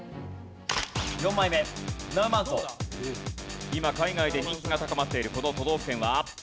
４枚目今海外で人気が高まっているこの都道府県は？